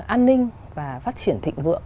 an ninh và phát triển thịnh vượng